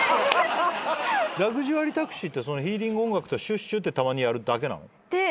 ラグジュアリータクシーってヒーリング音楽とシュッシュッってたまにやるだけなの？